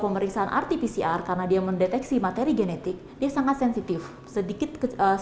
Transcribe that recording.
pemeriksaan rt pcr karena dia mendeteksi materi genetik dia sangat sensitif sedikit